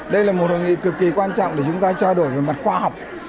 đây là một hội nghị cực kỳ quan trọng để chúng ta trao đổi về mặt khoa học